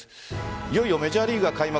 いよいよメジャーリーグが開幕。